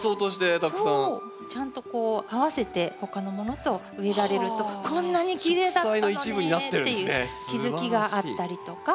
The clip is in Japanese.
ちゃんとこう合わせて他のものと植えられるとこんなにきれいだったのねっていう気付きがあったりとか。